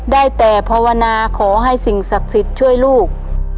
ได้แต่ภาวนาขอให้สิ่งศักดิ์สิทธิ์ช่วยลูก